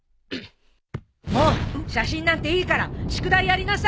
もう写真なんていいから宿題やりなさい。